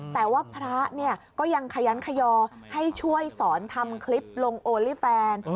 แต่ว่าพระเนี่ยก็ยังขยันขยอให้ช่วยสอนทำคลิปลงโอลี่แฟน